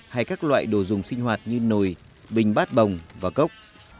hay các loại đồ dùng sinh hoạt như nồi bình bát bồng và cốc